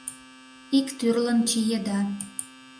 Ик тӱрлын чиеда.